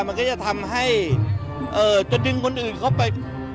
มันก็จะทำให้จะดึงคนอื่นเข้าไป